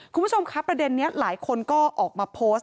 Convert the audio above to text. คุณผู้ชมครับประเด็นนี้หลายคนก็ออกมาโพสต์